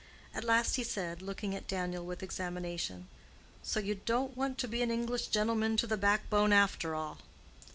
At last he said, looking at Daniel with examination, "So you don't want to be an Englishman to the backbone after all?"